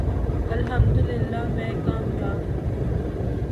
الحمدللہ میں کامیاب ہوں۔